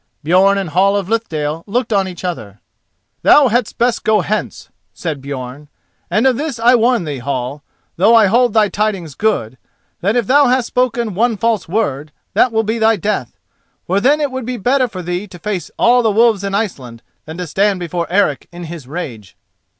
Björn and Hall of Lithdale looked on each other. "Thou hadst best go hence!" said Björn; "and of this I warn thee, Hall, though I hold thy tidings good, that, if thou hast spoken one false word, that will be thy death. For then it would be better for thee to face all the wolves in Iceland than to stand before Eric in his rage."